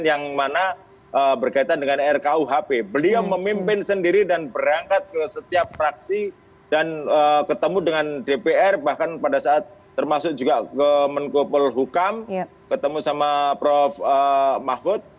yang mana berkaitan dengan rkuhp beliau memimpin sendiri dan berangkat ke setiap praksi dan ketemu dengan dpr bahkan pada saat termasuk juga ke menko polhukam ketemu sama prof mahfud